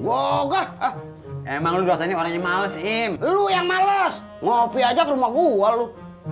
gua emang lu udah ini orangnya males im lu yang males ngopi aja rumah gua lu